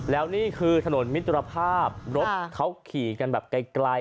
แล้วนี่คือถนนมิตรภาพรถเขาขี่กันแบบไกล